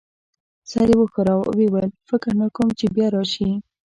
سر یې وښوراوه او ويې ویل: فکر نه کوم چي بیا راشې.